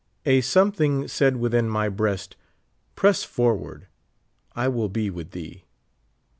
A something said within my breast, "press forward, I will be with thee."